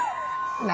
何？